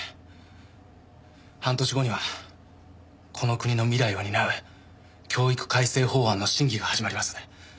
半年後にはこの国の未来を担う教育改正法案の審議が始まります。